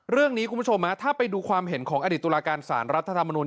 คุณผู้ชมถ้าไปดูความเห็นของอดีตตุลาการสารรัฐธรรมนุน